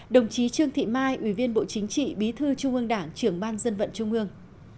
đồng chí trương thị mai ủy viên bộ chính trị bí thư trung ương đảng trưởng ban dân vận trung ương